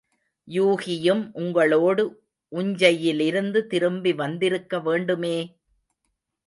யூகியும் உங்களோடு உஞ்சையிலிருந்து திரும்பி வந்திருக்க வேண்டுமே?